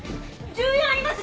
１０円あります？